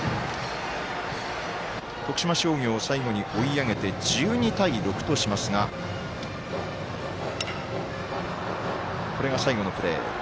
徳島商業を最後に追い上げて１２対６としますがこれが最後のプレー。